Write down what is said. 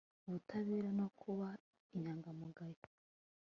ubutabera no kuba inyangamugayo